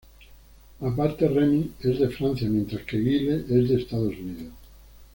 Aparte Remy es de Francia mientras que Guile es de Estados Unidos.